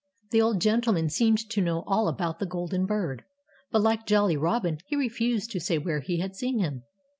the old gentleman seemed to know all about the golden bird. But like Jolly Robin, he refused to say where he had seen him.